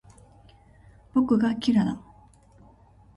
僕がキラだ